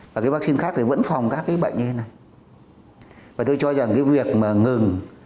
và cái vaccine khác thì vẫn phòng các cái bệnh như thế này và tôi cho rằng cái việc mà ngừng